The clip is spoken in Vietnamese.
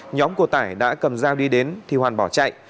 nhóm của tải đã cầm dao đi đến thì hoàn bỏ chạy